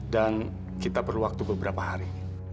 dan kita perlu waktu beberapa hari